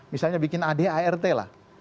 misalnya bikin adart lah